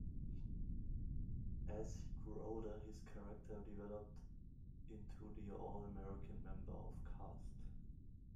As he grew older, his character developed into the all-American member of cast.